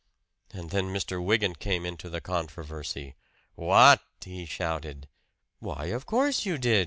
And then Mr. Wygant came into the controversy. "WHAT!" he shouted. "Why, of course you did!"